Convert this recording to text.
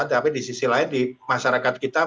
tapi di sisi lain di masyarakat kita